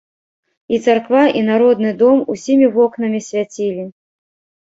І царква, і народны дом усімі вокнамі свяцілі.